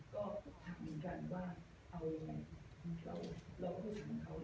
ก็ถามกันว่าเอายังไงเราก็ต้องถามเขา